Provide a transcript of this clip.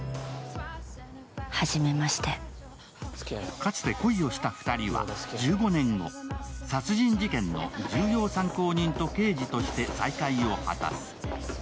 かつて恋をした２人は１５年後、殺人事件の重要参考人と刑事として再会を果たす。